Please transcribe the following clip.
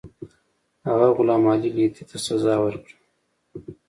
هغه غلام علي لیتي ته سزا ورکړه.